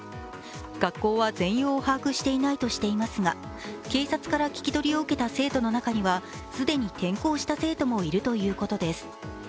学校は全容を把握していないとしていますが、警察から聞き取りを受けた生徒の中には既に転校した生徒もいるということです。